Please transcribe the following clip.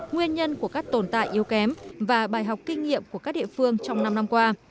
nguyên nhân của các tồn tại yếu kém và bài học kinh nghiệm của các địa phương trong năm năm qua